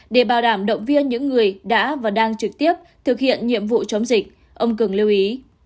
để bảo đảm động viên những người đã và đang trực tiếp thực hiện nhiệm vụ chống dịch ông cường lưu ý